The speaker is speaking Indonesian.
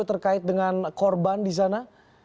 terkait dengan korban di sana